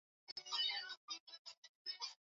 meli isiyozama ilianza safari yake ya mwisho